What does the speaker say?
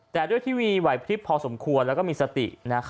แต่ด้วยทีวีไหวพริบพอสมควรและมีสติ